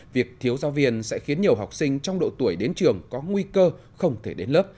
việc thiếu giáo viên sẽ khiến nhiều học sinh trong độ tuổi đến trường có nguy cơ không thể đến lớp